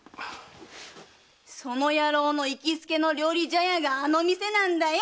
その野郎の行きつけの料理茶屋があの店なんだよ！